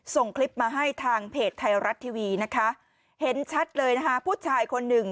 ส่งคลิปมาให้ทางเพจไทยรัฐทีวีนะคะเห็นชัดเลยนะคะผู้ชายคนหนึ่ง